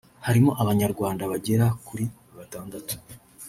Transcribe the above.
harimo Abanyarwanda bagera kuri batandatu